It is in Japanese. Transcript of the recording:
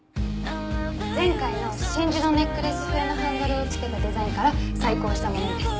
前回の真珠のネックレス風のハンドルを付けたデザインから再考したものです。